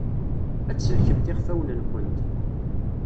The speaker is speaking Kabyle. Ad tsellkemt iɣfawen-nwent.